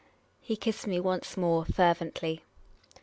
He kissed me once more, fervently.